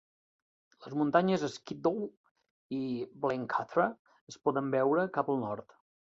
Les muntanyes Skiddaw i Blencathra es poden veure cap al nord.